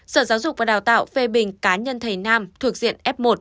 sở giáo dục và đào tạo phê bình cá nhân thầy nam thuộc diện f một